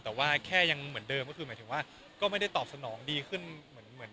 แต่ว่าแค่ยังเหมือนเดิมก็คือหมายถึงว่าก็ไม่ได้ตอบสนองดีขึ้นเหมือน